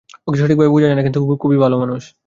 ওকে সঠিকভাবে বুঝা যায় না, কিন্তু খুবই ভালো মানুষ।